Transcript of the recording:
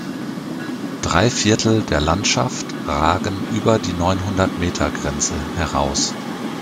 Drei Viertel der Landschaft ragen über die Neunhundert-Meter-Grenze heraus.